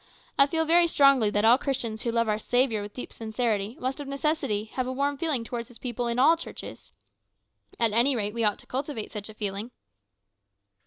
I feel very strongly that all Christians who love our Saviour with deep sincerity must of necessity have a warm feeling towards His people in all churches. At any rate we ought to cultivate such a feeling."